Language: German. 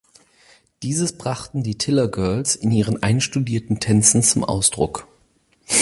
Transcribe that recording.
Dieses brachten die Tiller Girls in ihren einstudierten Tänzen zum Ausdruck.